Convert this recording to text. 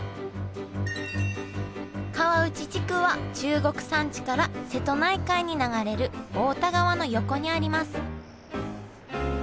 川内地区は中国山地から瀬戸内海に流れる太田川の横にあります。